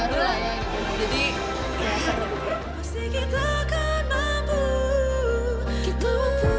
jadi ya seru